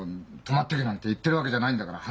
「泊まっていけ」なんて言ってるわけじゃないんだから。